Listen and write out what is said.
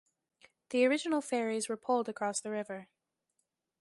The original ferries were poled across the river.